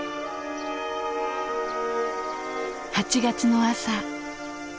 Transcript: ８月の朝。